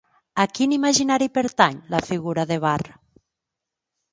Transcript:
A quin imaginari pertany la figura de Vár?